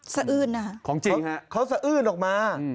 สะอื้นนะครับของจริงก็เขาสะอื้นออกมา